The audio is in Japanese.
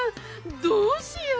どうしよう！